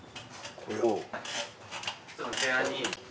これを。